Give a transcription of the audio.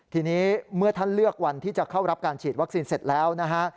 ทีนี้เมื่อท่านเลือกวันที่จะเข้ารับการฉีดวัคซีนเสร็จแล้วนะฮะ